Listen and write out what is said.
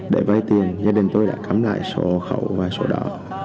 để vây tiền gia đình tôi đã cắm lại sổ hộ khẩu và sổ đỏ